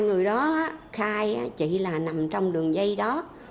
người đó khai chị là nằm trong đường dây đó